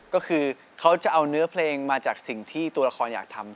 ก็คือเขาจะเอาเนื้อเพลงมาจากสิ่งที่ตัวละครอยากทำ